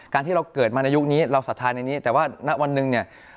ที่เราเกิดมาในยุคนี้เราศรัทธาในนี้แต่ว่าณวันหนึ่งเนี่ย